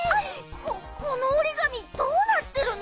ここのおりがみどうなってるの？